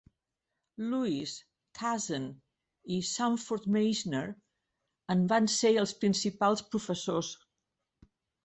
Lewis, Kazan i Sanford Meisner en van ser els principals professors.